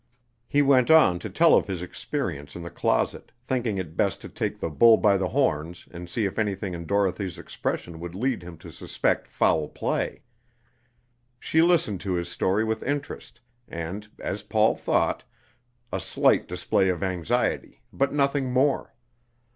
He went on to tell of his experience in the closet, thinking it best to take the bull by the horns and see if anything in Dorothy's expression would lead him to suspect foul play. She listened to his story with interest, and, as Paul thought, a slight display of anxiety, but nothing more.